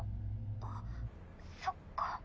あっそっか。